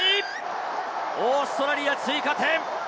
オーストラリア追加点！